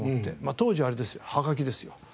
当時はあれですよはがきですよ。